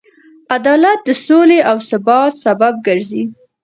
عدالت د سولې او ثبات سبب ګرځي.